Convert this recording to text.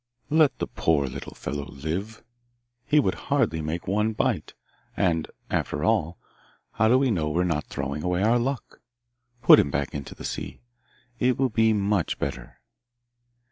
'Let the poor little fellow live. He would hardly make one bite, and, after all, how do we know we are not throwing away our luck! Put him back into the sea. It will be much better.